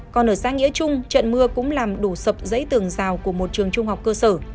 còn ở xã nghĩa trung trận mưa cũng làm đổ sập dãy tường rào của một trường trung học cơ sở